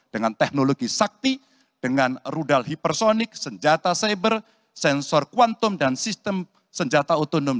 dengan teknologi sakti dengan rudal hipersonic senjata cyber sensor kuantum dan sistem senjata otonom